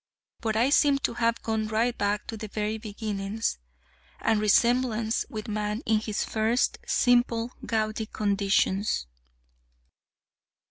But I seem to have gone right back to the very beginnings, and resemblance with man in his first, simple, gaudy conditions.